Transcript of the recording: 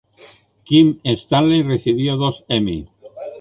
Kim Stanley recibió dos Emmy.